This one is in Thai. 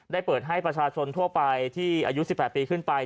เปิดให้ประชาชนทั่วไปที่อายุ๑๘ปีขึ้นไป